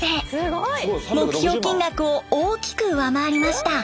目標金額を大きく上回りました。